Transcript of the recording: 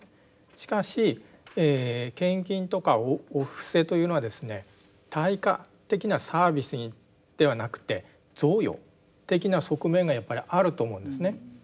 しかし献金とかお布施というのはですね対価的なサービスにではなくて贈与的な側面がやっぱりあると思うんですね。